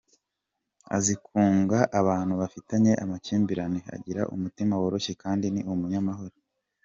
Azi kunga abantu bafitanye amakimbirane, agira umutima woroshye kandi ni umunyamahoro.